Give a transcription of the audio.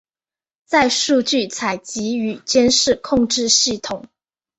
在数据采集与监视控制系统。